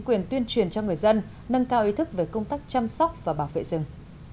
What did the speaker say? quyền tuyên truyền cho người dân nâng cao ý thức về công tác chăm sóc và bảo vệ rừng